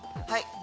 はい。